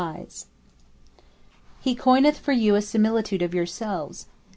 P: He coineth for you a similitude of yourselves.